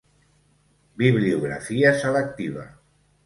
Bibliografia selectiva.